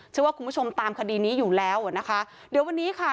เชื่อว่าคุณผู้ชมตามคดีนี้อยู่แล้วอ่ะนะคะเดี๋ยววันนี้ค่ะ